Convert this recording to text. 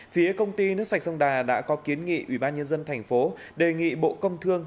phía công ty nước sạch sông đà đã có kiến nghị ủy ban nhân dân thành phố đề nghị bộ công thương